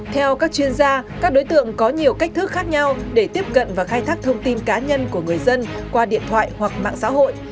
theo các chuyên gia các đối tượng có nhiều cách thức khác nhau để tiếp cận và khai thác thông tin cá nhân của người dân qua điện thoại hoặc mạng xã hội